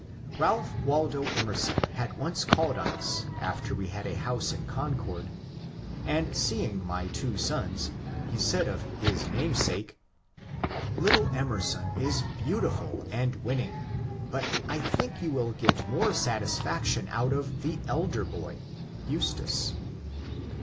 Ralph Waldo Emerson had once called on us, after we had a house in Concord^ and seeing my two sons, he said of his namesake, *^ Little Emerson is beautiful and winning, but I think you will get more satisfaction out of the elder boy (Eustace)."